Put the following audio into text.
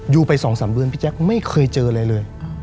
อยู่ไป๒๓เดือนพี่แจ๊คไม่เคยเจออะไรเลย